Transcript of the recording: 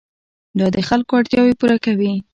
دا د خلکو اړتیاوې پوره کوي.